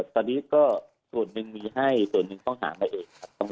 ตอนนี้ก็ส่วนหนึ่งมีให้ส่วนหนึ่งต้องหามาเองครับ